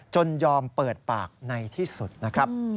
จนยอมเปิดปากในที่สุดนะครับ